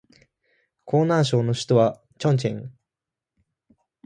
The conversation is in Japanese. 河南省の省都は鄭州